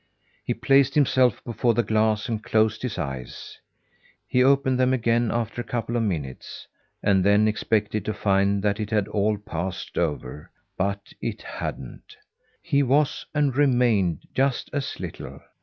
He placed himself before the glass and closed his eyes. He opened them again after a couple of minutes, and then expected to find that it had all passed over but it hadn't. He was and remained just as little.